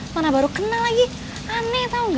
mana baru kena lagi aneh tau gak